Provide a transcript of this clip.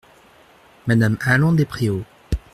M me Allan-Despréaux.